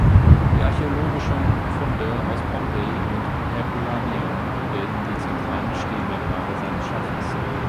Die archäologischen Funde aus Pompeji und Herculaneum bilden die zentralen Stilmerkmale seines Schaffens.